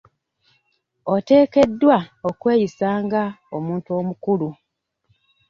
Oteekeddwa okweyisa nga omuntu omukulu.